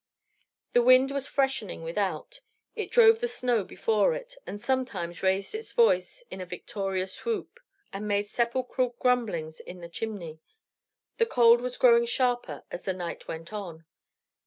The wind was freshening without; it drove the snow before it, and sometimes raised its voice in a victorious whoop, and made sepulchral grumblings in the chimney. The cold was growing sharper as the night went on.